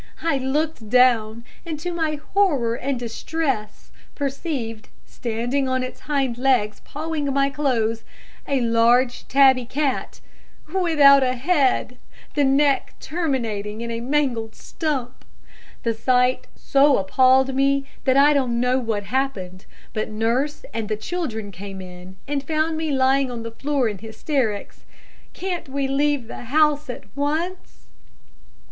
I looked down, and to my horror and distress, perceived, standing on its hind legs, pawing my clothes, a large, tabby cat, without a head the neck terminating in a mangled stump. The sight so appalled me that I don't know what happened, but nurse and the children came in and found me lying on the floor in hysterics. Can't we leave the house at once?'